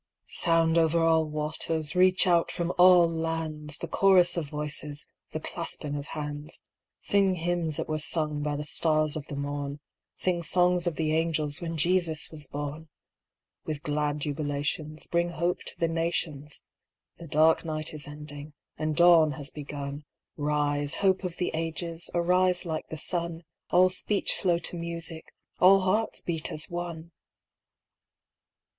Sound over all waters, reach out from all lands, The chorus of voices, the clasping of hands; Sing hymns that were sung by the stars of the morn, Sing songs of the angels when Jesus was born! With glad jubilations Bring hope to the nations The dark night is ending and dawn has begun Rise, hope of the ages, arise like the sun, All speech flow to music, all hearts beat as one!